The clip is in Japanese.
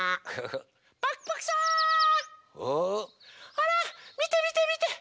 ほらみてみてみて。